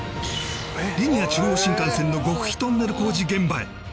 リニア中央新幹線の極秘トンネル工事現場へ